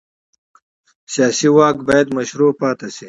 سیاسي واک باید مشروع پاتې شي